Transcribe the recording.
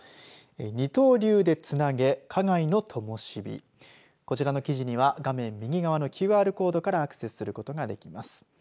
二刀流でつなげこちらの記事には画面右側のＱＲコードからアクセスすることができます。